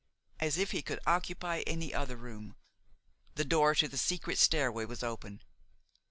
As if he could occupy any other room! The door to the secret stairway was open.